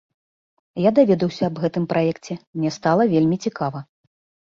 Я даведаўся аб гэтым праекце, мне стала вельмі цікава.